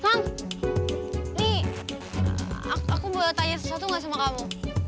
lang nih aku boleh tanya sesuatu gak sama kamu